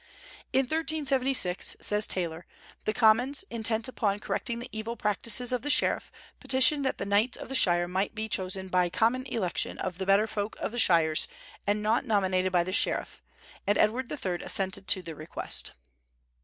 "In 1376," says Taylor, "the Commons, intent upon correcting the evil practices of the sheriff, petitioned that the knights of the shire might be chosen by common election of the better folk of the shires, and not nominated by the sheriff; and Edward III. assented to the request."